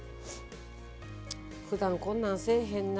ふだんこんなんせえへんな。